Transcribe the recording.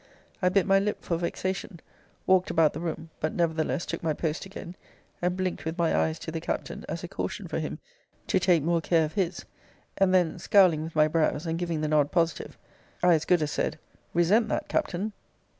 I bit my lip for vexation: walked about the room; but nevertheless took my post again; and blinked with my eyes to the Captain, as a caution for him to take more care of his: and then scouling with my brows, and giving the nod positive, I as good as said, resent that, Captain.